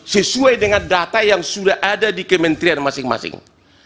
sesuai dengan data yang sudah ada di kementerian masing masing